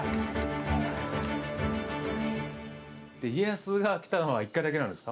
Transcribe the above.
家康が来たのは１回だけなんですか？